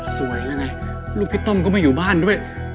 ยังไงลูกพี่ต้อมก็ไม่อยู่บ้านด้วย